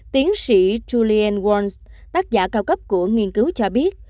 tiến sĩ julian warnes tác giả cao cấp của nghiên cứu cho biết